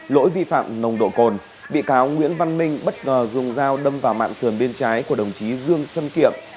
lỗi vi phạm nồng độ cồn bị cáo nguyễn văn minh bất ngờ dùng dao đâm vào mạng sườn bên trái của đồng chí dương xuân kiệm